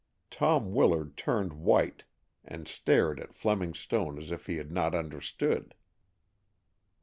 Tom Willard turned white and stared at Fleming Stone as if he had not understood.